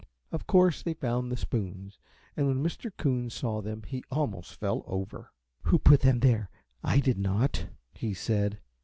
Of course they found the spoons, and when Mr. Coon saw them he almost fell over. "Who put them there? I did not," he said.